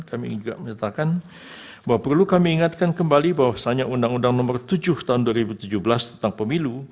kami juga menyatakan bahwa perlu kami ingatkan kembali bahwasannya undang undang nomor tujuh tahun dua ribu tujuh belas tentang pemilu